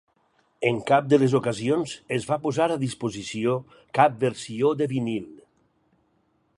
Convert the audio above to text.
En cap de les ocasions es va posar a disposició cap versió de vinil.